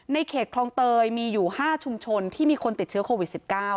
เขตคลองเตยมีอยู่๕ชุมชนที่มีคนติดเชื้อโควิด๑๙